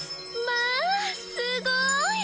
まあすごい！